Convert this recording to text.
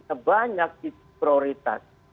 sebanyak itu prioritas